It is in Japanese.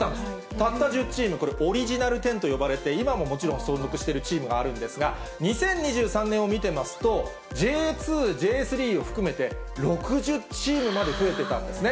たった１０チーム、これ、オリジナル１０と呼ばれて、今ももちろん、存続しているチームがあるんですが、２０２３年を見てますと、Ｊ１、Ｊ２、Ｊ３を含めて６０チームまで増えてたんですね。